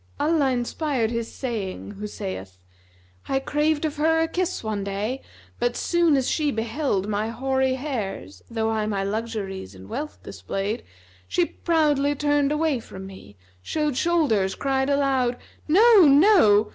Allah inspired his saying who saith, 'I craved of her a kiss one day; but soon as she beheld * My hoary hairs, though I my luxuries and wealth display'd; She proudly turned away from me, showed shoulders, cried aloud:— * 'No! no!